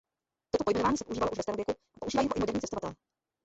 Toto pojmenování se používalo už ve starověku a používají ho i moderní cestovatelé.